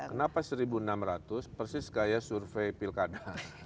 kenapa seribu enam ratus persis kayak survei pilkada